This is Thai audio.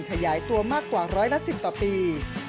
ขยายตัวมากกว่าร้อยละ๑๐ต่อปี